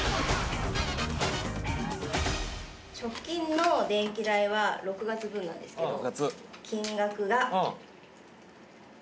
直近の電気代は６月分なんですけど。